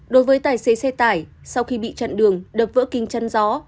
đối với tài xế xe tải sau khi bị chặn đường đập vỡ kính chăn gió